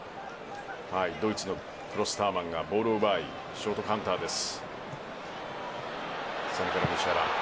ドイツのクロスターマンがボールを奪いショートカウンターです。